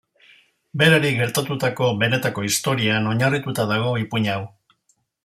Berari gertatutako benetako historian oinarrituta dago ipuin hau.